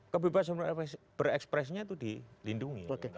kebebasan berekspresinya itu dilindungi